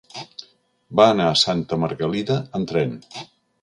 Va anar a Santa Margalida amb tren.